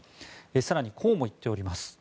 更に、こうも言っております。